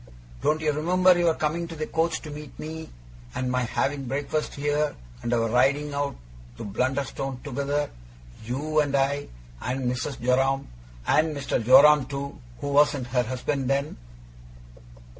'Don't you remember your coming to the coach to meet me, and my having breakfast here, and our riding out to Blunderstone together: you, and I, and Mrs. Joram, and Mr. Joram too who wasn't her husband then?